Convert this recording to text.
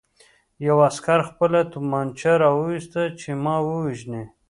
یوه عسکر خپله توپانچه را وویسته چې ما ووژني